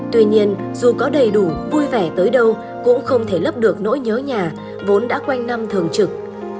tuy nhiên dù có đầy đủ vui vẻ tới đâu cũng không thể lấp được nỗi nhớ nhà vốn đã quanh năm thường trực